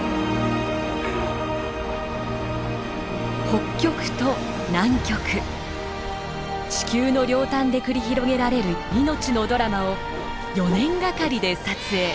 北極と南極地球の両端で繰り広げられる命のドラマを４年がかりで撮影。